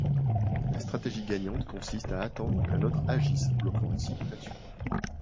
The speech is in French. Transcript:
La stratégie gagnante consiste à attendre qu'un autre agisse, bloquant ainsi toute action.